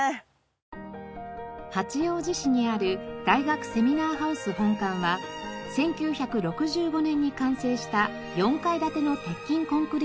八王子市にある大学セミナーハウス本館は１９６５年に完成した４階建ての鉄筋コンクリート造り。